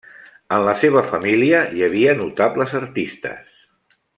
En la seva família hi havia notables artistes.